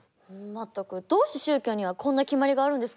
まったくどうして宗教にはこんな決まりがあるんですかね！？